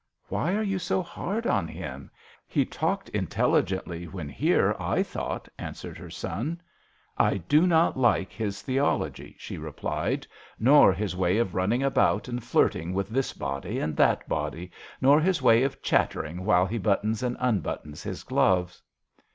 "Why are you so hard on him? He talked intelligently when here, I thought," answered her son. " I do not like his theology," JOHN SHERMAN. 21 she replied, " nor his way of run ning about and flirting with this body and that body, nor his way of chattering while he buttons and unbuttons his gloves."